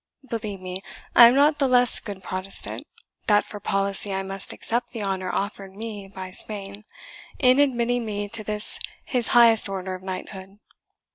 Believe me, I am not the less good Protestant, that for policy I must accept the honour offered me by Spain, in admitting me to this his highest order of knighthood.